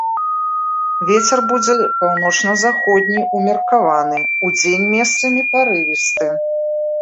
Вецер будзе паўночна-заходні ўмеркаваны, удзень месцамі парывісты.